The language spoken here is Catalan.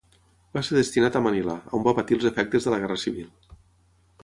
Va ser destinat a Manila, on va patir els efectes de la guerra civil.